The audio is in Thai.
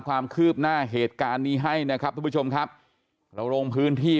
ความคืบหน้าเหตุการณ์นี้ให้นะครับทุกผู้ชมครับเราลงพื้นที่